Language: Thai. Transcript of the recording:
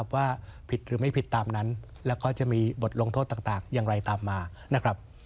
ว่าผิดหรือไม่ผิดตามนั้นแล้วก็จะมีบทลงโทษต่างอย่างไรตามมานะครับ